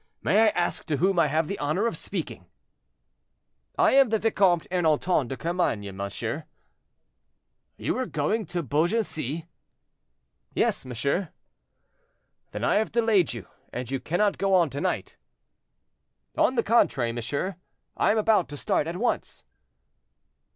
May I ask to whom I have the honor of speaking?" "I am the Vicomte Ernanton de Carmainges, monsieur." "You were going to Beaugency?" "Yes, monsieur." "Then I have delayed you, and you cannot go on to night." "On the contrary, monsieur, I am about to start at once."